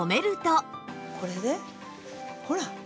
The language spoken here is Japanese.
これでほら！